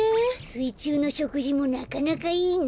すいちゅうのしょくじもなかなかいいね。